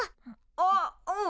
あっうん。